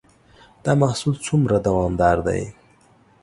دا محصول څومره دوامدار دی؟